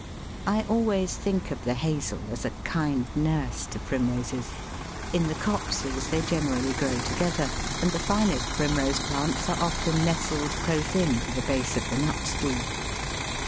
I always think of the Hazel as a kind nurse to Primroses; in the copses they generally grow together, and the finest Primrose plants are often nestled close in to the base of the nut stool.